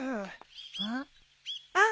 うん？あっ！